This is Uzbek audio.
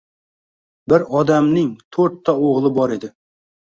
Bir odamning to`rtta o`g`li bor edi